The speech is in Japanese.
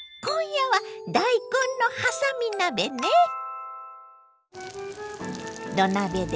今夜は大根のはさみ鍋ね。